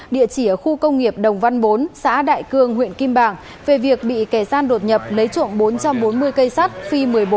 địa chỉ ở khu công nghiệp đồng văn bốn xã đại cương huyện kim bảng về việc bị kẻ gian đột nhập lấy trộm bốn trăm bốn mươi cây sắt phi một mươi bốn